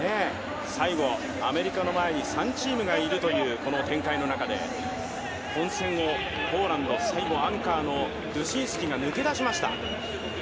最後アメリカの前に３チームがいるという展開の中で混戦をポーランド、最後アンカーのドゥシンスキが抜け出しました。